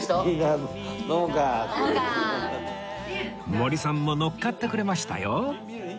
森さんものっかってくれましたよ